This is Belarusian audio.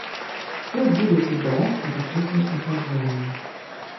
Тут будуць адбывацца закрытыя пасяджэнні.